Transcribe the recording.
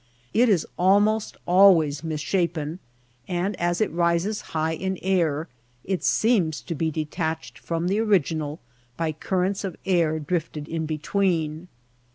It is almost always misshapen, and as it rises high in air it seems to be detached from the original by currents of air drifted in between.